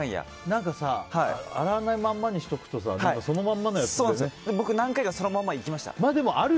何かさ洗わないままにしておくと何回かそのままで行きました。